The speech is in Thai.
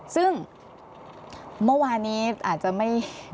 ซึ่งเมื่อวานนี้อาจจะไม่